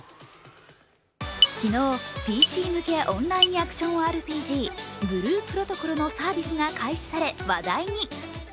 昨日、ＰＣ向けオンラインアクションＲＰＧ「ＢＬＵＥＰＲＯＴＯＣＯＬ」のサービスが開始され話題に。